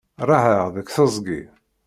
Raεeɣ deg teẓgi.